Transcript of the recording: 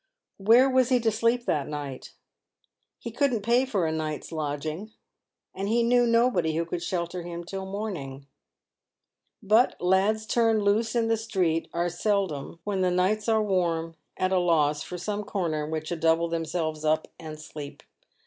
Where was he to sleep that night ? He couldn't pay for a night's lodging, and he knew nobody who could shelter him till morning. G 2 84 £AVED WITH GOLD. But lads turned loose in the street are seldom, when the nights are warm, at a loss for some corner in which to double themselves up and sleep.